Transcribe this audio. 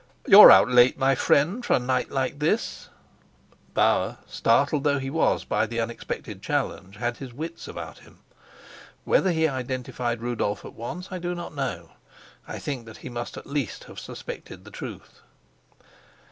"You're out late, my friend, for a night like this." Bauer, startled though he was by the unexpected challenge, had his wits about him. Whether he identified Rudolf at once, I do not know; I think that he must at least have suspected the truth.